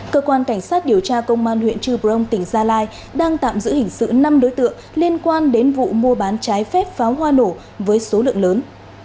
cơ quan cảnh sát điều tra công an huyện trư brông tỉnh gia lai đang tạm giữ hình sự năm đối tượng liên quan đến vụ mua bán trái phép pháo hoa nổ với số lượng lớn